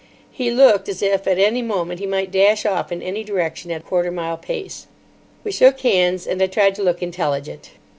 He looked as if at any moment he might dash off in any direction at quarter mile pace. We shook hands, and I tried to look intelligent.